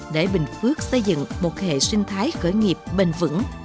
để bình phước xây dựng một hệ sinh thái khởi nghiệp bền vững